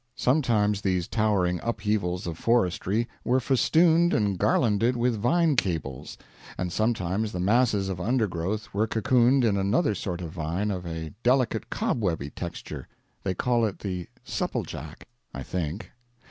Sometimes these towering upheavals of forestry were festooned and garlanded with vine cables, and sometimes the masses of undergrowth were cocooned in another sort of vine of a delicate cobwebby texture they call it the "supplejack," I think.